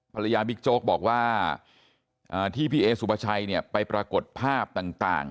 ภรรยาบิ๊กโจ๊กบอกว่าที่พี่เอสุบัชัยไปปรากฏภาพต่าง